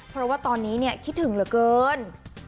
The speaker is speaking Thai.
เพราะว่าตอนนี้คิดถึงเหลือเกิน